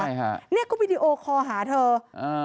ใช่ฮะนี่ก็วิดีโอคอร์หาเธออ่า